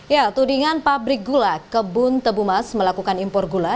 ya tudingan pabrik gula kebun tebumas melakukan impor gula